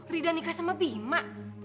rida nikah sama bima